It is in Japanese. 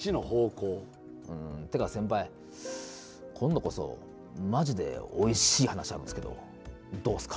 てか先輩、今度こそまじでおいしい話あるんすけどどうすか？